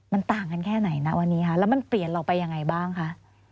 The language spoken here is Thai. มันต่างกันแค่ไหนนะวันนี้คะแล้วมันเปลี่ยนเราไปยังไงบ้างคะ